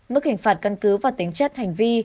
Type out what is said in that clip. mức hình phạt căn cứ và tính chất hành vi